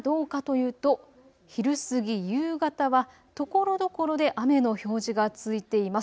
午後はどうかというと昼過ぎ夕方はところどころで雨の表示が付いています。